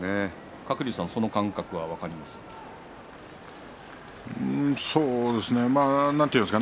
鶴竜さんその感覚は分かりますか？